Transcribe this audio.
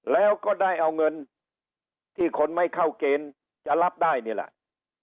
แล้วก็ได้เอาเงินที่คนไม่เข้าเกณฑ์จะรับได้นี่แหละ